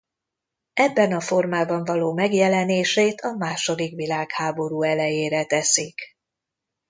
Ebben a formában való megjelenését a második világháború elejére teszik.